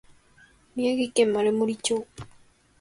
宮城県丸森町